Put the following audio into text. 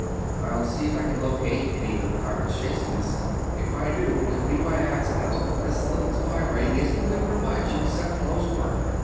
"I'll see if I can locate any of the pirates chasing us. If I do it'll be by accident; this little spy ray isn't good for much except close work.